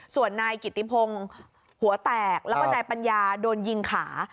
ส่วนนายกิติพงศ์หัวแตกแล้วก็นายปัญญาโดนยิงขา